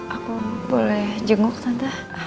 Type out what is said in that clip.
aku boleh jenguk tante